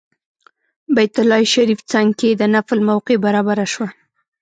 بیت الله شریف څنګ کې د نفل موقع برابره شوه.